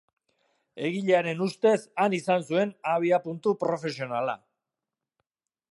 Egilearen ustez han izan zuen abiapuntu profesionala.